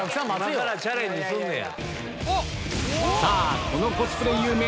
今からチャレンジすんねや。